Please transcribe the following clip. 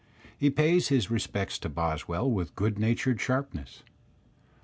He pays his respects to Boswell with good natured sharpness.